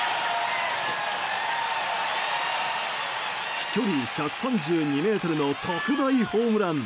飛距離１３２ｍの特大ホームラン。